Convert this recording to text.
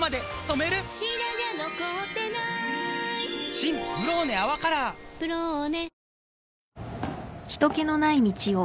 新「ブローネ泡カラー」「ブローネ」